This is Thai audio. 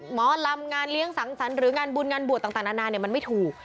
หมอลำงานเลี้ยงสังสรรค์หรืองานบุญงานบวชต่างนานามันไม่ถูก